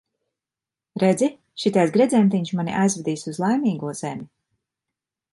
Redzi, šitais gredzentiņš mani aizvedīs uz Laimīgo zemi.